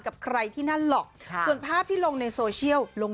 กับใครที่นั่นหรอกส่วนภาพที่ลงในโซเชียลลง